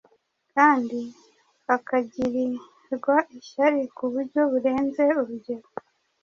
kandi akagirirwa ishyari ku buryo burenze urugero,